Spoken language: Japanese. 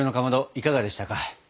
いかがでしたか？